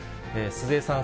鈴江さん